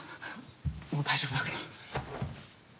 もう大丈夫だから。